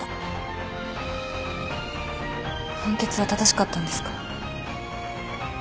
判決は正しかったんですか？